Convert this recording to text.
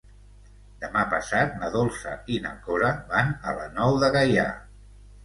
Demà passat na Dolça i na Cora van a la Nou de Gaià.